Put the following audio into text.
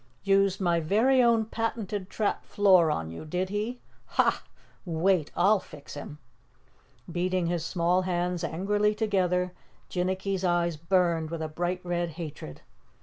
"Used my very own patented trap floor on you, did he? Hah! wait I'll fix him!" Beating his small hands angrily together, Jinnicky's eyes burned with a bright red hatred.